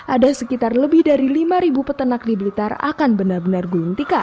ada sekitar lebih dari lima peternak di blitar akan benar benar guntikan